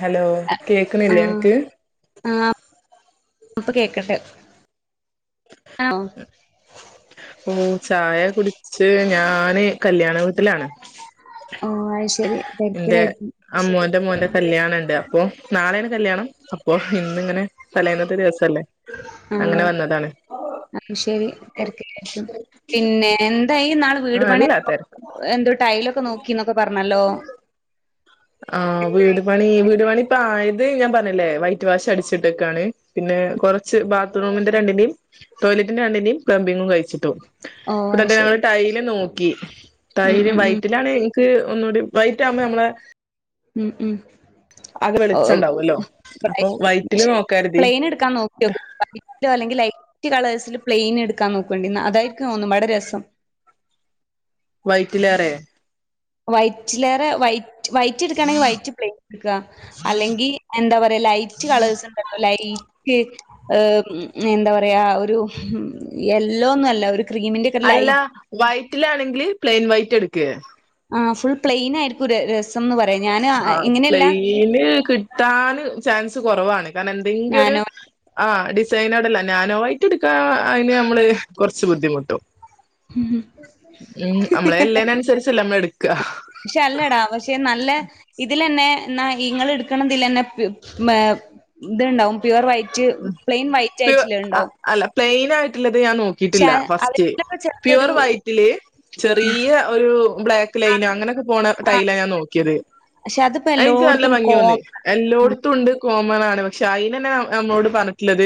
Hello കേക്ക്ന്നില്ലേ ആഹ് അണക് ഇപ്പ കേക്ക്ൺട്ടെ ആഹ് ഓ ചായ കുടിച്ച് ഞാന് കല്യാണ വീട്ടിലാണ് ഓ അത് ശെരി എന്റെ തെരക്കിലായിരിക്കും അമ്മോന്റെ മോന്റെ കല്യാണ ഇണ്ട് അപ്പോ നാളേണ് കല്യാണം അപ്പൊ ഇന്നിങ്ങനെ തലേന്നത്തെ ദിവസല്ലേ അങ്ങനെ വന്നതാണ് അപ്പോ ശെരി തിരക്കായിരിക്കും. പിന്നെ എന്തായി ഇന്നാള് വീട് ആ പണി അല്ല തിരക്ക് എന്തോ ടൈലൊക്കെ നോക്കി എന്നൊക്കെ പറഞ്ഞല്ലോ ആഹ് വീട് പണി വീട് പണി ഇപ്പ ആയത് ഞാൻ പറഞ്ഞില്ലേ വൈറ്റ് വാഷ് അടിച്ചിട്ട്ക്കാണ് പിന്നെ കൊറച്ച് ബാത്റൂമിന്റെ രണ്ടിന്റിം ടോയ്ലറ്റിന്റെ രണ്ടിന്റിം പ്ലംബിങ്ങും കഴിച്ചു ട്ടു ഓ അത് ഇന്ന്ട്ട് ശരി ഞങ്ങള് ടൈല് നോക്കി ഉം ടൈല് ഉം ഉം വൈറ്റിലാണെ ക്ക് ഒന്നൂടിം വൈറ്റ് ആകുമ്പോ നമ്മളെ ഉം ഉം ആകെ ഔ ഔ വെളിച്ചണ്ടാവല്ലോ അപ്പൊ പ്ലെയിൻ വൈറ്റില് പക്ഷെ നോക്കാരുതി പ്ലൈന്എട് ക്കാൻ നോക്യോക്ക് വൈറ്റോ അല്ലെങ്കി ലൈറ്റോ റ്റ് കളേഴ്സില് പ്ലെയിൻ എട്ക്കാ നോക്കോണ്ടിന്നാ അതായിരിക്കും ഒന്നുപാടെ രസം വൈറ്റിലേറെ വൈറ്റിലേറെ വൈറ്റ് വൈറ്റ് എടുക്കുകാണെങ്കി വൈറ്റ് പ്ലറ്റ് എട്ക്കാ. അല്ലെങ്കി എന്താ പറയാ ലൈറ്റ് കളേഴ്സ് ഇണ്ടലോ ലൈ എന്താ പറയാ ഒരു എല്ലോ ഒന്നും അല്ല ഒരു ക്രീമിന്റെ ഒക്കെ അല്ല ലൈറ്റ് വൈറ്റിലാണെങ്കില് പ്ലെയിൻ വൈറ്റ് എടുക്ക് ആ ഫുൾ പ്ലെയിൻ ആയിരിക്കും രസം എന്ന് പറയാ ഞാൻ ആ പ്ലെയിന് കിട്ടാന് ചാൻസ് കുറവാണ് കാരണം എന്തെങ്കിലൊരു നാനോ ആഹ ഡിസൈനോടെല്ല നാനോവൈറ്റ് എടുക്കാ അതിന് നമ്മള് കുറച്ച് ബുദ്ധിമുട്ടും ഉം ഉം ഉം നമ്മളെ ഇല്ലയ്നെൻസരിച്ചല്ലെ നമ്മള് എടുക്കാ ക്ഷെ അല്ലടാ പക്ഷെ നല്ല ഇതിലന്നെ ന്നാ ഇങ്ങള് എടുക്കണതിലന്നെ പ്യു മെ ഇത്ണ്ടാവും പ്യുവർ വൈറ്റ് റ്റ് പ്ലെയിൻ വൈറ്റ് പ്യു ആയിട്ടുള്ള ഉണ്ടാവും അല്ല പ്ലയിനായിട്ടുള്ളത് ഞാൻ നോ പക്ഷെ കിട്ടില്ല ഫസ്റ്റ് അതിലൊക്കെ ചെറിയൊരു പ്യൂർ വൈറ്റില് ചെറിയ ഒരു ബ്ലാക്ക് ക്ക്ലൈനാ അങ്ങനെക്കെ പോണ ആഹ് ടൈലാ ഞാൻ നോക്കിയത് പക്ഷെ അതിപ്പോ അഹ് ഇൻക്ക് നല്ല എല്ലോടത്തും ഭംഗിയോന്നേ കോമൺ എല്ലോട്ത്തുണ്ട് കോമൺ ആണ് പക്ഷെ അയിനന്നെ ഞമ്മളോട് പറഞ് ട്ടുള്ളത്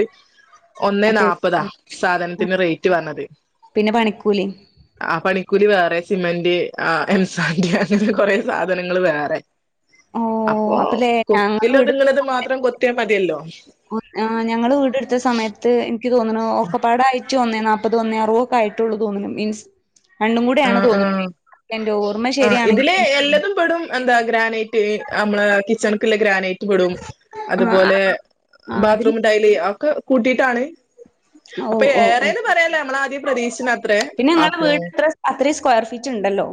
ഒന്നേ അത്യാവശ്യം നാല്പ്പതാ സാധനത്തിന് റേറ്റ് പറഞ്ഞത് പിന്നെ പണിക്കൂലി ആഹ് പണിക്കൂലി വേറെ സിമന്റ് ആഹ് എംസാഡ് അങ്ങനെ കുറെ സാധനങ്ങൾ വേറെ ഓ അപ്പൊ അപ്പല്ലേ ഞങ്ങള് കൊക്കിൽ ഒതുങ്ണത് മാത്രം കൊത്തിയാ മതിയല്ലോ ഒഹ് ആഹ് ഞങ്ങള് വീടെടുത്ത സമയത്ത് എനിക്ക് തോന്നുണു ഓക്കപ്പാടായി റ്റ് ഒന്നേ നാപ്പത് ഒന്നേ അറു ഒക്കെ ആയിട്ടുള്ളൂ തോന്നുന്നു മീൻസ് അണ്ണും കൂടിയാണ് തോന്നുന്നത് കെന്റെ ഓ ആഹ് ഇതില് എല്ലതും പെടും എന്താ ഗ്രാനൈറ്റ് നമ്മളെ കിച്ചൺക്ള്ള ഗ്രാനൈ പെടും ആ അതുപോലെ ആ അതിന് ബാത്റൂം ടൈല് അഒക്കെ കൂട്ടിയിട്ടാണ് ഓ അപ്പൊ ഓ ഓ ഏറെന്ന് പറയാലേ നമ്മള ആദ്യം പ്രതീക്ഷന് അത്രേ അപ്പൊ അത്രീ സ്ക്വയർ ഫീറ്റ് ണ്ടല്ലോ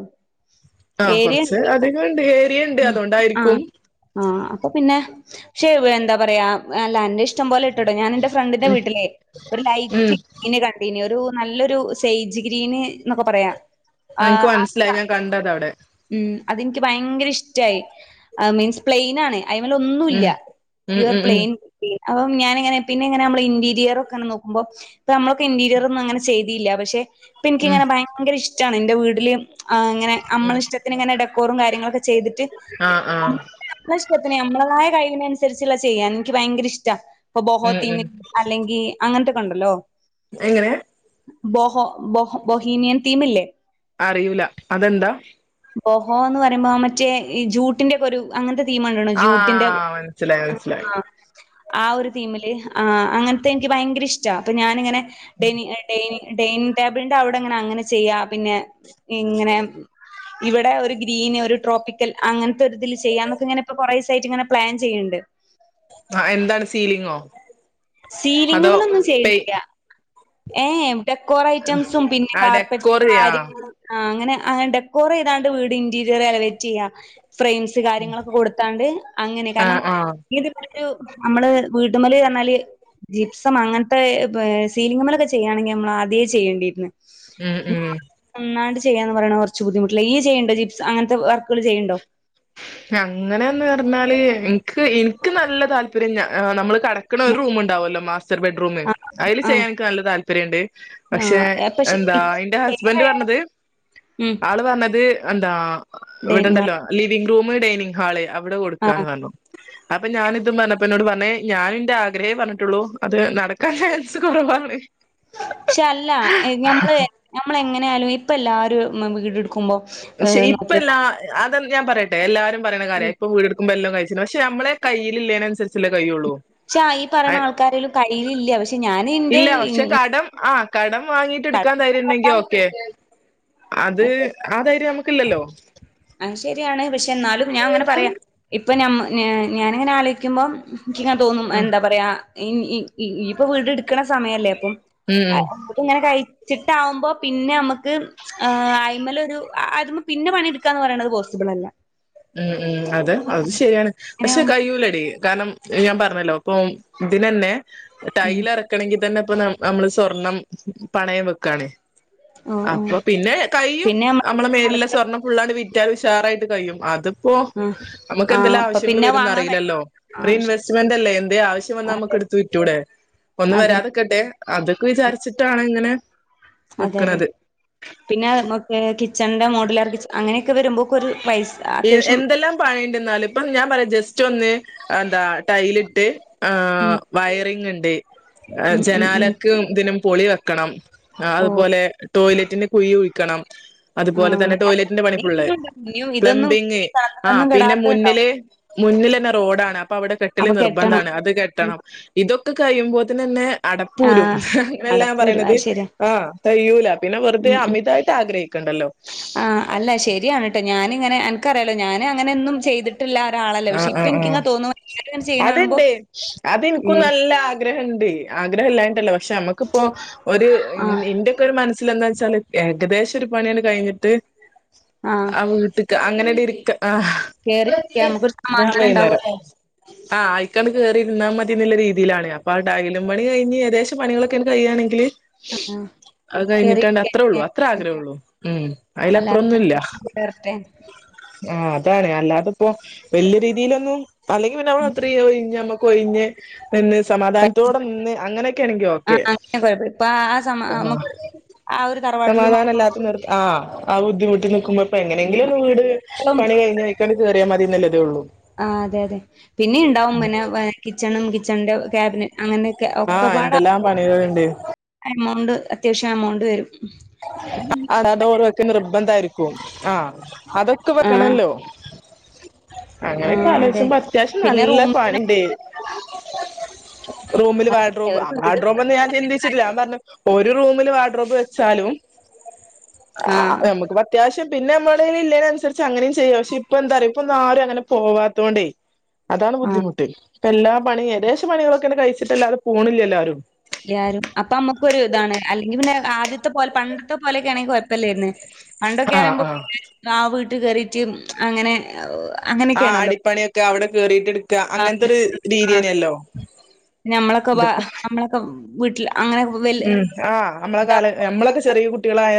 ആഹ് കൊർച്ച് അധികണ്ട് ഏരിയ ഇണ്ട് അഹ് അതുകൊണ്ടായിരിക്കും ആഹ് ആഹ് അപ്പൊ പിന്നെ പക്ഷേ എന്താ പറയാ എല്ല അന്റെ ഇഷ്ടം പോലെ കേട്ടോ ഞാൻ എന്റെ ഫ്രണ്ടിന്റെ ഉം വീട്ടിലെ ഒരു ഉം ലൈറ്റ് ഇന് കണ്ടീനി ഒരു നല്ലൊരു സെയ്ജ് ഗ്രീന് ന്നൊക്കെ പറയാ ആഹ് ഇൻക്ക് മനസ്സിലായി ഞാൻ കണ്ടത് അവിടെ ഉം അതെനിക്ക് ഭയങ്കര ഇഷ്ടായി അഹ് മീൻസ് പ്ലെയിൻ ആണ് അയി്മല് ഒന്നുല്ല ഉം ഉം യു ആർ ഉം ഉം പ്ലെയിൻ പീ അപ്പം ഞാന്ങ്ങനെ പിന്നെ ങ്ങനെ അമ്മള് ഇന്റീരിയർ ഒക്കെനെ നോക്ക്മ്പൊ പ്പ നമ്മളൊക്കെ ഇന്റീരിയർ ഒന്നും അങ്ങനെ ചെയ്തിയില്ല പക്ഷെ ഇപ്പം ഉം ഇൻക്കിങ്ങനെ ഭയങ്കര ഇഷ്ടണ് ഇന്റെറ വീട്ടില് ആഹ് ഇങ്ങനെ നമ്മളെഷ് ത്ന്ങ്ങനെ ഡെക്കോറം കാര്യങ്ങളൊക്കെ ചെയ്തിട്ട് ആഹ് ആഹ് നമ്മള ഇഷ്ടത്തിന് നമ്മളതായ കഴിവിനൻസരിച്ള്ള ചെയ്യാ ഇൻക്ക് ഭയങ്കര ഇഷ്ട ഇപ്പൊ ഉം ബോഹോത്തീ ഉം അല്ലെങ്കി അങ്ങൻത്തക്കെണ്ടല്ലോ അഹ് എങ്ങനെ ബോഹോ ബൊഹൊ ബൊഹീനിയൻ ട്ടീമില്ലേ അറിയൂല അതെന്താ ബോഹോ എന്ന് പറയുമ്പോ മറ്റേ ഈ ജൂ ട്ടിന്റെക്കെരു അങ്ങൻത്തെ ട്ടീം കണ്ടീനോ ജൂട്ടിന്റെ ആഹ് മനസ്സിലായി മനസ്സിലായി ആഹ് ഒരു തീമില് ആഹ് അങ്ങൻത്തെ ഇൻക്ക് ഭയങ്കര ഇഷ്ട അപ്പൊ ഞാനിങ്ങനെ ഡനി ഡൈനി ഡൈനിങ് ടേബിളിന്റെ അവിടെങ്ങനെ അങ്ങനെ ചെയ്യ പിന്നെ ഇങ്ങനെ ഇവിടെ ഒരു ഗ്രീൻ ഒരു ട്രോപ്പിക്കൽ അങ്ങൻത്തെ ഒരുരിതിൽ ചെയ്യാം എന്നൊക്കെ ഇങ്ങെ ഇപ്പൊ കൊറേസായിട്ട് ഇങ്ങനെ പ്ലാൻ ചെയ്യ്ണ്ട് ആഹ് എന്താണ് സീലിങ്ങോ അതോ സീലിങ്‌മലൊന്നും പെയ് ചെയ്തീല്ല ഏഹ് ഡെക്കോറൈറ്റംസും പിന്നെ ആഹ് ഡെക്കോർ ചെയ്യാ കാർപ്പറ്റ്കാര്യങ്ങളും ആ അങ്ങനെ അ ഡെക്കോർയ്താണ്ട് വീട് ഇന്റീരിയർ എലവേറ്റ് ചെയ്യാം ഫ്രെയിംസ് ച്ച് കാര്യങ്ങളൊക്കെ കൊടുത്താണ്ട് അങ്ങനെ കാരണം ആഹ് ആഹ് ഇത് ഒരു നമ്മള് വീട്ട്മ്മല്റഞ്ഞാല് ജിപ്സും അങ്ങനത്തെ സീലിംങ്‌മ്മലൊക്കെ ചെയ്യാണെങ്കിൽ നമ്മൾ ആദ്യേ ചെയ്യേണ്ടിരിന്ന് ഉം ഉം ഒന്നാണ്ട് ചെയ്യാ എന്ന് പറയണ കുറച്ച്ബുദ്ധിമുട്ടിലാ ഇയ്ചെയ്യണ് ണ്ടാ ജിപ്സ് അങ്ങനത്തെവർക്കുകൾ ചെയ്ണ് ണ്ടോ അങ്ങനെയന്ന്റഞ്ഞാല് ഇനിക്ക് ഇനിക്ക് നല്ല താല്പര്യം ഞാൻ ആ നമ്മള് കടക്കണ ഒരു റൂംണ്ടാവോല്ലോ മാസ്റ്റർ ബെഡ്റൂം അയില് ആ ചെയ്യാൻ ഇനിക്ക് നല്ല താല്പര്യണ്ട് ആ പക്ഷെ ആ പക്ഷെ എന്താ ഇപ്പ ഇന്റെ ഹസ്ബൻഡ് പറഞ്ഞത് ഉം ആള് പറഞ്ഞത് എന്താ ഇവിടെണ്ടല്ലോ ലിവിംഗ് റൂം ഡൈനിങ് ഹാള് അവിടെ ആ കൊടുക്കാന്ന് പറഞ്ഞു അപ്പൊ ഞാനിതും പറഞ്ഞപ്പ എന്നോട് പറഞ്ഞ ഞാനിന്റെ ആഗ്രഹേ പറഞ്ഞിട്ടുള്ളൂ അത് നടക്കാൻ ചാൻസ് കുറവാണ് പക്ഷെ അല്ല ഞമ്മള് നമ്മള എങ്ങനെആലും ഇപ്പ എല്ലാരും വീടെടുക്കുമ്പോ ഏഹ് നോക്ക് ഷേപ്പല്ലാ അത ഞാൻ പറയട്ടെ എല്ലാരും പറയണ ഉം കാര്യ ഇപ്പൊ വീടെടു യെല്ലാകഴിച്ചി പക്ഷെമ്മളെ കയ്യിലില്ലേ അനുസരിച്ചല്ലേ കയ്യുള്ളൂ ക്ഷാ ഈ പറയണ ആൾക്കാരീലും കയ്യിലില്ല പക്ഷെ ഞാൻ ഇല്ല പക്ഷെ കടം ആ കടം വാങ്ങിട്ട് എടുക്കാൻ കടം ദൈര്യംണ്ടെങ്കി ഓക്കെ അത് ആധൈര്യം നമക്കില്ലല്ലോ ആ ശരിയാണ് പക്ഷെ എന്നാലും ഞാൻ അങ്ങനെ പറയാം ഇപ്പൊ ഞ ഞാനിങ്ങനെആലോയ്ക്കുമ്പോം എനിക്ക്ങ്ങനെ തോന്നും ആ എന്താ പറയാ യ് യ് ഇപ്പൊ വീട് എടുക്കണ സമയല്ലേ അപ്പം ഉം ഇങ്ങനെ കഴിച്ചിട്ടാവുമ്പോ പിന്നെ നമുക്ക് ആ അയിമലൊരു അത് മേ പിന്നെ പണിടുക്കാന്ന് പറീണത് പോസിബിൾ അല്ല ആഹ് ആഹ് അതെ അത് ശരിയാണ് പക്ഷെ അങ്ങനെയാവുമ്പോ കയ്യൂലടി കാരണം ഞാൻ പറഞ്ഞല്ലോ അപ്പൊ ഇതിനന്നെ ഉം ടൈലറ ക്കണങ്കി തന്നെ ഇപ്പൊ നമ്മള് സ്വർണം പണയം വെക്കാണ് ഓഹ് ഓഹ് അപ്പൊ പിന്നെ കഴിയും പിന്നെ നമ്മ നമ്മളെ മേലില അടുത്ത സ്വർണ്ണം ഫുള്ളണ്ട് വിറ്റാൽ ഉഷാറായിട്ട് കഴിയും അതിപ്പോ ആ നമുക്ക് ആ എന്തെല്ലാം അപ്പൊ ആവശ്യങ്ങൾ പിന്നെ വരുംന്ന് വാങ്ങാൻ കഴി അറീല്ലല്ലോ ഒരു ആവശ്യം ഇൻവെസ്റ്റ്മെന്റ് അല്ലേ എന്തേ ആവശ്യം വന്നാ നമുക്ക് അതെ എടുത്തു വിറ്റൂടെ ഒന്ന് അതെ വരാ തക്കട്ടെ അതൊക്കെ വിചാരിച്ചിട്ടാണ് ഇങ്ങനെ അതെ അതെ നിക്കണത് പിന്നെനമ്മക്ക് കിച്ചൺന്റെ മോഡിലർ അങ്ങനെയൊക്കെ വരുമ്പോ ഒരു പൈസ അത്യാവശ്യം എന്തെല്ലാം പണിണ്ട്ന്നാലും ഇപ്പൊ ഞാൻ പറയാ ജസ്റ്റ് ഒന്ന് എന്താ ടൈലിട്ട് ആ ഉം വയറിങ്ണ്ട് ഉം ഉം ഉം ജനാലക്ക് ഇതിനും പൊളി വെക്കണം ഓ അതുപോലെ ടോയ്ലറ്റിന്റെ കുഴി കുഴിക്കണം ആ അതുപോലെ തന്നെ അല്ല ടോയ്ലറ്റിന്റെ പണി ഫുള്ള് ഇനിയും ഇതൊന്നും പ്ലംബിങ് ആ ഇതൊന്നും പിന്നെ കെടാത്തണ്ടാവും മുന്നില് മുന്നിലന്നെ റോഡാണ് അപ്പൊ അവിടെ കെട്ടൽ അപ്പൊ കെട്ടണം നിർബന്ധണ് അത് കെട്ടണം ഇതൊക്കെ കഴിയുമ്പോതിന് ന്നെ ആ അടപ്പൂരും അങ്ങനെ അല്ലാ അടപ്പൂര് ഞാപറയണുത് അത് ശരിയാ ആഹ് കയ്യൂല പിന്നെ വെറുതെ ഉം ഉം അമിതായിട്ട് ആഗ്രഹിക്കണ്ടല്ലോ ആ അല്ല ശരിയാണ് ട്ടോ ഞാനിങ്ങനെ അൻ ക്കറിയല്ലോ ഞാന് അങ്ങന ഒന്നും ചെയ്തിട്ടില്ല ഒരാളല്ല പക്ഷ ആഹ് ഇപ്പൊ ആഹ് ഇനിക്കിങ്ങന തോന്ന്ന്നു എല്ലാരുങ്ങനെ ചെയ്യണ കാണുമ്പൊ അത് ഇനിക്കും നല്ല ആഗ്രഹണ്ട് ആഗ്രഹം ഇല്ലായിട്ടല്ലോ പക്ഷെ നമുക്കിപ്പോ ഒരു ആ ഇ ഇന്റ മനസ്സൽ എന്താ വച്ചാല് ഏകദേശംന്റ ഒരു പണിയാണ് കഴിഞ്ഞിട്ട് ആ വീട്ടി അങ്ങനെട് ഇരിക്ക ആഹ് കേറിരിക്ക നമുക്കൊരു ഞാൻ സമാധാനം വൈന്നേരം ഉണ്ടാവുമല്ലോ ആഹ് അയ്ക്കാണ്ട് കേറിയിര്ന്നാമതിന്ന്ള്ള രീതിയിലാണ് അപ്പൊ ആ ടൈലും പണി കഴിഞ് ഏകദേശം ത്ത് പണികളൊക്കെ ആണ്ട് കയ്യാണെങ്കില് ആഹ് അത് കഴിഞ്ഞിട്ടാണ്ട് അത്രൊള്ളു കേറിയിരിക്കാന് അത്ര ആഗ്രഹൊള്ളൂ ഉം അയ്ലപ്രൊന്നും ഇല്ല എര്റ്റേ ആഹ് അതാണ് അല്ലാതെ ഇപ്പോ വല്യെ രീതിയിലൊന്നും അല്ലെങ്കി പിന്നെ നമ്മള് അത്രയും ഓയി ഞ് ഞമ്മക്ക് ഒഴിഞ്ഞ് നിന്ന് സമാധാനത്തോടെ നിന്ന് അങ്ങനെയൊക്കെയാണെങ്കി ഓക്കെ ആഹ് അങ്ങനെ കുഴപ്പമില്ല ഇപ്പൊ ആ സമ ആഹ് നമുക്ക് ആ ഒരു തറവാട്ടിലും സമാധാനല്ലാത്ത നിർ ആഹ് ആഹ് ബുദ്ധിമുട്ട് നിക്കുമ്പോ ഇപ്പ എങ്ങനെങ്കിലൊന്ന് വീട് ഉം പണി കഴിഞ്ഞ് അയ്ക്കാണ്ട് കേറിയാ മതീന്ന്ല്ലതേ ഒള്ളൂ ആഹ് അതെ അതെ പിന്നെയും ഉണ്ടാവും മെന്നെ വെ കിച്ചണും കിച്ചൺന്റെ ക്യാബിന് അങ്ങനെയൊക്കെ ആഹ് ഒക്കെപ്പാടെ എന്തെല്ലാം പണികളുണ്ട് എമൗണ്ട് അത്യാവശ്യം എമൗണ്ട് വരും ആടാ ഡോറ് വെക്കൽ നിർബന്ധായിരിക്കും ആഹ് അതൊക്കെ ആഹ് വെക്കണല്ലോ അങ്ങനെയൊക്കെ ആഹ് അതെ ആലോചിച്ചമ്പം അത്യാവശ്യം പിന്നെ നല്ല റൂമിനും പണിണ്ട് റൂമില് വാൽഡ്രോബ് ഒരു ആഹ് വീട് വാഡ്രോബൊന്നും ഞാൻ ചിന്തിച്ചിട്ടില്ലാ ഞാൻ പറഞ്ഞ് ഒരു റൂമില് വാഡ്രോബ് വെച്ചാ ആഹ് ആഹ് ഞമ്മക്ക് വെ അത്യാവശ്യം പിന്നെ നമ്മള് ഇല്ലേനൻസരിച്ച് അങ്ങനെയും ചെയ്യാ പക്ഷെ ഇപ്പെന്താറിയൊ ഇപ്പ ഒന്നും ആരും അങ്ങനെ പോവാത്തോണ്ടേ അതാണ് ആഹ് ബുദ്ധിമുട്ട് ഇപ്പ എല്ലാ പണിം ഏകദേശ പണികളൊക്കങ്ങട്ട് കഴിച്ചിട്ട് അല്ലാതെ പോണില്ല്യല്ലോ ആരും ല്ല്യാരും അപ്പൊ അമ്മക്കൊരു ഇതാണ് അല്ലെങ്കി പിന്നെ ആദ്യത്തെ പോലെ പണ്ടത്തെ പോലെയൊക്കെ ആണെങ്കി കൊഴപ്പല്ലേര്ന്ന് ആഹ് പണ്ടൊക്കേറിമ്പോ ആഹ് പിന്നെ ആഹ് വീട്ട് കേറീറ്റ് അങ്ങനെ ആഹ് അങ്ങനെയൊക്കെയാണല്ലോ. അടിപ്പണിയൊക്കെ അവിടെ കേറീട്ട്ട് ക്ക ആഹ് അങ്ങൻത്തൊരു ആഹ് രീതേയ്നല്ലോ ഇതിപ്പോ വീട്ട്ൽ അങ്ങനെ കൊ ഉം ആഹ് അമ്മളെ കാല അമ്മളൊക്കെ ചെറ്യേ കുട്ടികളായ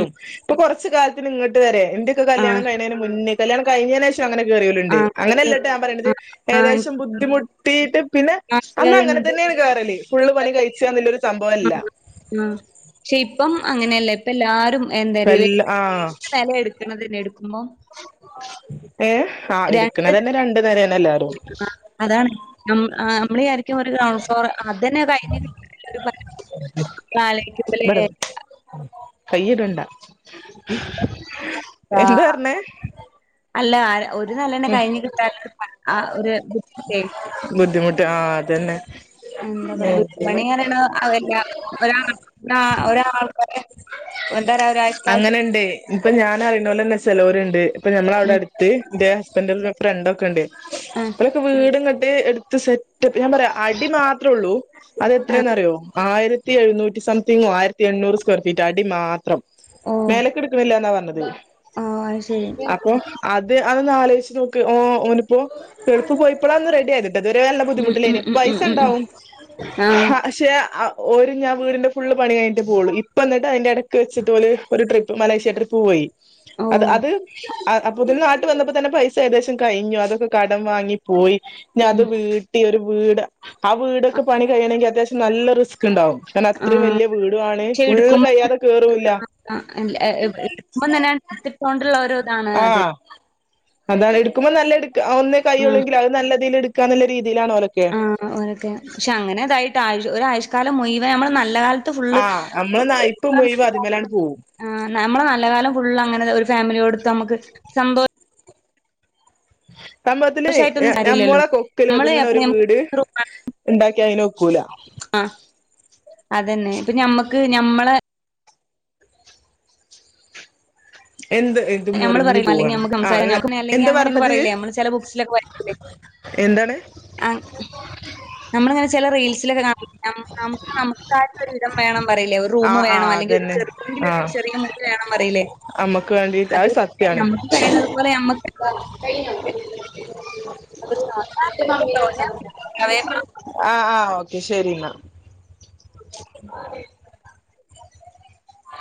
ഉം ഇപ്പൊ കൊറച്ച് കാലത്തിന് ഇങ്ങട്ട് വരെ എന്റെയൊക്ക കല്യാണം ആഹ് കഴ്ണേന് മുന്നേക്കെ കല്യാണം കഴിഞ്ഞേനേഷ് ഷം അങ്ങനെ കേറിയോല്ണ്ട് ആഹ് ആഹ് അങ്ങനല്ലട്ടോ ഞാൻ പറയ്ണത് ആഹ് ആഹ്. ഏകദേശം ബുദ്ധിമുട്ടിയിട്ട് പിന്നെ അന്ന് അങ്ങനെ തന്നേണ് കേറല് ഫുള്ള് പണി കഴിച്ചാന്നുള്ളൊരു സംഭവം അല്ല ആഹ് പക്ഷെ ഇപ്പം അങ്ങനെയല്ല ഇപ്പ എല്ലാരും എന്താറിയല് വല്ല ആഹ് [unintelligible] വെല എട് ക്ക്‌ണത് നെടുക്കുമ്പോ ഏഹ് ആഹ് രണ്ട് ഇട്ക്ക്‌ണതെന്നെ നില രണ്ട് നെലേണെല്ലാരും അതാണ് ഉം ആഹ് നമ്മളിയാരിക്കും ഓര് താമസ് ത്തോണ് അതന്നെ [unintelligible] ആലോയിക്കുമ്പലേ കയ്യ് ഇടണ്ട ആഹ് പറഞ്ഞേ അല്ല ഒ ര് നെലെന്നെ കഴിഞ്ഞ് കിട്ടാല്ലൊരു പണി ആഹ് ഒര് ബുദ്ധിമുട്ടേ ബുദ്ധിമുട്ട് ആഹ് അതന്നെ എന്താ പറയാ വീട്പണി ങ്ങാനേണ് അകല്ല്യാ [unintelligible] ഒരാ ഒരാൾ ഒരാൾക്കാരെ [unintelligible] ന്താ രാ ഒര് അങ്ങനെണ്ട് ഇപ്പൊ ഞാനറിണോലെന്നെ ചെലോര്ണ്ട് ഇപ്പ ഞമ്മളവ്ടെ ഉം അടുത്ത് ന്റെ ഹസ്ബൻന്റിന്റെ ഫ്രണ്ടൊക്കെ ഇണ്ട് ആഹ് പ്പോലൊക്കെ വീട്ങ്ങട്ട് ഏഹ് എടുത്ത് സെറ്റപ്പ് ഞാൻ പറയാ അടി മാത്രേ ഒള്ളൂ അത് ആഹ് എത്രേന്നറിയോ ആയിര ത്തി എഴുന്നൂറ്റി സംതിങ്ങോ ആയിരത്തി എണ്ണൂറ് സ്ക്വയർ ഫീറ്റോ അടി മാത്രം ഓഹ് മേലക്ക് ഇട്ക്ക്‌ണില്ലാന്നാ പറഞ്ഞത് ഓഹ് അത് ശരി. അ പ്പൊ അത് അതൊന്നാലോയ്ച്ച് നോക്ക് ഓ ഓന് പ്പോ ഗൾഫ് പോയിപ്പളാ ഒന്ന് റെഡിയായത്ട്ടോ ഇതുവരെ നല്ല ഉം ഉം ബുദ്ധിമുട്ടിലേയ്നി ഇപ്പ ഉം ഉം ഉം ഉം പൈസണ്ടാവും ആഹ് ഹ പക്ഷേ അ ഒരുഞാ വീടിന്റെ ഫുള്ള് പണി കഴിഞ്ഞിട്ടേ പോവൊള്ളു ഇപ്പ അന്ന്ട്ട് അയ്ന്റെ എടക്ക് വെച്ച് ഇതുപോലെ ഒരു ട്രിപ്പ് മലേഷ്യ ട്രിപ്പ് പോയി അത് ഓഹ് അത് അ അപ്പ പിന്നെ നാട്ട് വന്നപ്പോ തന്നെ പൈസ ഏകദേശം കഴിഞ്ഞു അതൊക്കെ കടം വാങ്ങി പോയി ഇഞ് അത് ഉം വീ ട്ടി ഒരു വീട് ആഹ് വീടൊക്കെ പണി കഴിയണെങ്കി അത്യാവശ്യം നല്ല റിസ്ക് ഇണ്ടാവും കാരണം അത്രയും ആഹ് വല്യ വീടുവാണ് ഫുള്ള് കഴിയാതെ കേറും ഇല്ലാ ആ അല്ല എ എ ഇടുക്കുമ്പം തന്നെ ഇത്തിട്ടോണ്ടൊള്ളൊരു ഇതാണ് അത്. ആഹ് അതാണ് എടുക്കുബം നല്ല എടുക്ക ഒന്നേ ഉം കൈയുള്ളെങ്കിൽ അത് നല്ലതില് എട് ക്കാന്നുള്ള രീതിയിലാണ് ഓല് ആഹ് ആഹ് ഓലെക്കെ പക്ഷെ അങ്ങനെതായിട്ട് ആയിഷ് ഒരായിഷ് കാലം മുയുവൻ നമ്മള് നല്ല കാല ആഹ് നമ്മളെ നായിപ്പ് മുഴുവൻഅതിമേലാണ് പോവും ആ നമ്മളെ നല്ല കാലം ഫുള്ള് അങ്ങനെ ഒരു ഫാമിലിയോടുത്ത് നമുക്ക് സന്തോ സംഭവത്തില് സന്തോഷായിട്ടൊന്നും കാര്യല്ലല്ലോ. ഞമ്മളെ കൊക്കില് നമ്മള് ഒതുങ്ങ്ണ ഒരു എപ്പഴും വീട് ഇണ്ടാക്കിയാല് അയിന് ഒക്കൂല ആ അതന്നെ ഇപ്പൊ ഞമ്മക്ക് ഞമ്മളെ എന്ത് ഏ ഇത് ഞമ്മള് മുറിഞ്ഞു പറയും അല്ലെങ്കി പോവാണ് നമുക്ക് ആ സംസാരം നമുക്ക് അല്ലെങ്കി എന്താ അങ്ങനൊക്കെ പറഞ്ഞത് പറയില്ലേ നമ്മള് ചെല എന്താണ് ആ നമ്മളിങ്ങനെ ചെല റീൽസിലൊക്കെ കാണ നമുക്ക് നമുക്ക ഒരു വിധം വേണം പറയില്ലേ റൂം ആഹ് ആഹ് വേണം അല്ലെങ്കിൽ ഒരു അതന്നെ ചെറുതെങ്കിലും ഒരു ആഹ് ചെറിയ മുറി വേണം പറയില്ലേ അമ്മക്ക് വേണ്ടിട്ട് അത് അതേപോലെ സത്യാണ് ഞമ്മക്ക് കഴിയണതുപോലെ ഞമ്മക്ക് കഴിഞ്ഞോ അതൊരു ഇയ്യ് സാധാരണ മമിനെ കേട്ടോ വിളിച്ച ഞാൻ ഇമ്മച്ചിനെ ആഹ് ആഹ് ഓക്കെ ശരി ഇന്നാ